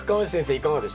いかがでした？